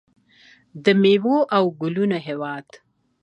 د میوو او ګلونو هیواد.